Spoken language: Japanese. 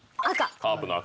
カープの赤。